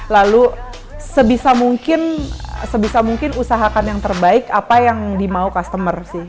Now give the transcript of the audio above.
lalu sebisa mungkin sebisa mungkin usahakan yang terbaik apa yang dimau customer sih